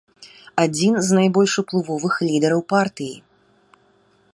Адзін з найбольш уплывовых лідараў партыі.